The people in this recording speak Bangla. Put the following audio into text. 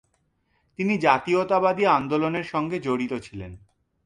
তিনি জাতীয়তাবাদী আন্দোলনের সঙ্গে জড়িত ছিলেন।